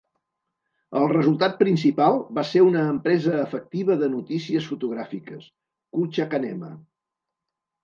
El resultat principal va ser una empresa efectiva de notícies fotogràfiques, Kucha Kanema.